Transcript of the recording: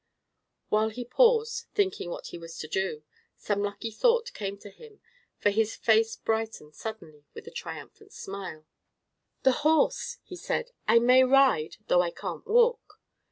While he paused, thinking what he was to do, some lucky thought came to him, for his face brightened suddenly with a triumphant smile. "The horse!" he said. "I may ride, though I can't walk."